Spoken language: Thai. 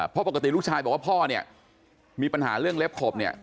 เพราะปกติลูกชายบอกว่าพ่อเนี่ยมีปัญหาเรื่องเล็บขบเนี่ย